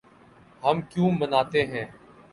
ہم کیوں مناتے ہیں